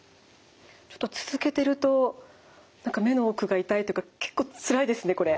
ちょっと続けてると何か目の奥が痛いというか結構つらいですねこれ。